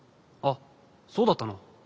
あっそうだったの？